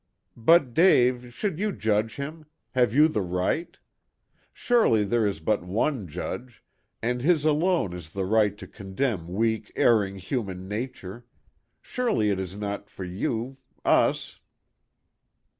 "But, Dave, should you judge him? Have you the right? Surely there is but one judge, and His alone is the right to condemn weak, erring human nature. Surely it is not for you us."